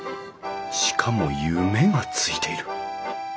しかも「夢」がついている。